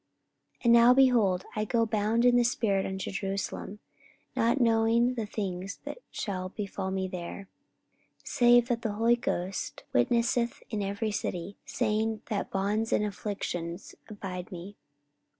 44:020:022 And now, behold, I go bound in the spirit unto Jerusalem, not knowing the things that shall befall me there: 44:020:023 Save that the Holy Ghost witnesseth in every city, saying that bonds and afflictions abide me.